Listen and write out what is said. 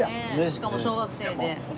しかも小学生で。